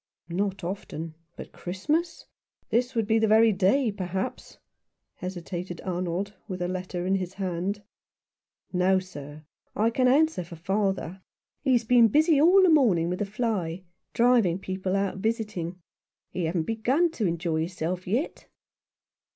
"Not often— but Christmas? This would be the very day, perhaps," hesitated Arnold, with a letter in his hand. " No, sir ; I can answer for father. He's been 63 Rough Justice. busy all the morning with the fly — driving people out visiting. He haven't begun to enjoy hisself yet."